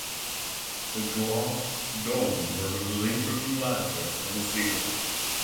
The glass dome produces interesting light effects on the ceiling.